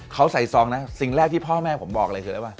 เขาใส่ซองนะสิ่งแรกที่พ่อแม่ผมบอกเลยคือได้ป่